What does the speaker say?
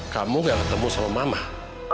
kamu gak ketemu sama mama